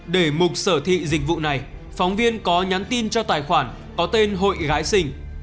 để mục sở thị dịch vụ này phóng viên có nhắn tin cho tài khoản có tên hội gái sinh